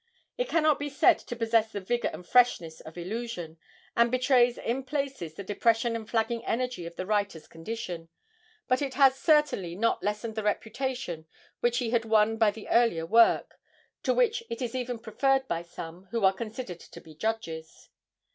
It cannot be said to possess the vigour and freshness of 'Illusion,' and betrays in places the depression and flagging energy of the writer's condition, but it has certainly not lessened the reputation which he had won by the earlier work, to which it is even preferred by some who are considered to be judges.